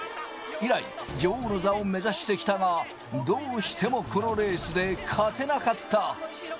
以来、女王の座を目指してきたが、どうしてもこのレースで勝てなかった。